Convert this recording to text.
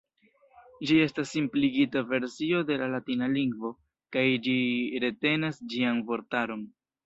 Ĝi estas simpligita versio de la latina lingvo, kaj ĝi retenas ĝian vortaron.